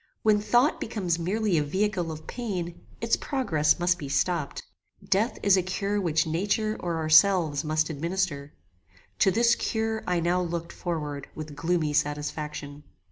When thought becomes merely a vehicle of pain, its progress must be stopped. Death is a cure which nature or ourselves must administer: To this cure I now looked forward with gloomy satisfaction.